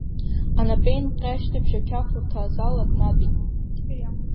Анапеинҟьашьҭыбжь ақьафурҭа азал атәнатәит.